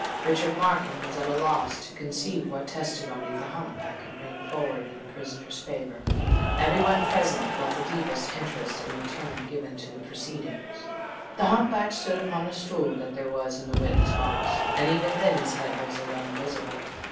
Richard Markham was at a loss to conceive what testimony the hump back could bring forward in the prisoner's favour. Every one present felt the deepest interest in the turn given to the proceedings. The hump back stood upon a stool that there was in the witness box; and even then his head was alone visible.